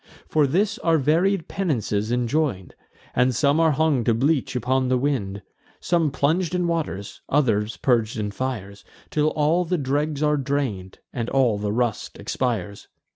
For this are various penances enjoin'd; And some are hung to bleach upon the wind, Some plung'd in waters, others purg'd in fires, Till all the dregs are drain'd, and all the rust expires.